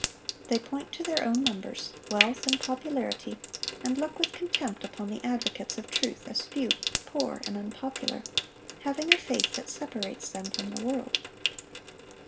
They point to their own numbers, wealth, and popularity, and look with contempt upon the advocates of truth as few, poor, and unpopular, having a faith that separates them from the world.